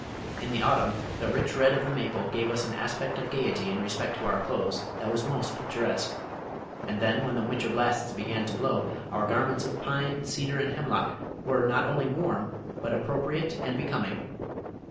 In the Autumn the rich red of the maple gave us an aspect of gayety in respect to our clothes that was most picturesque; and then when the winter blasts began to blow, our garments of pine, cedar and hemlock were not only warm, but appropriate and becoming.